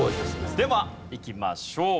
ではいきましょう。